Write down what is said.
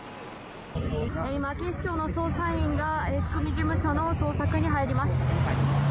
今、警視庁の捜査員が組事務所の捜索に入ります。